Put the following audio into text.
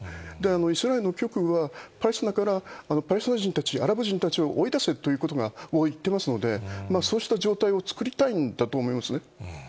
イスラエルの極右は、パレスチナからパレスチナ人たち、アラブ人たちを追い出せということを言ってますので、そうした状態を作りたいんだと思いますね。